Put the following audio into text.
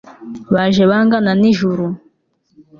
baje bangana n'ijuru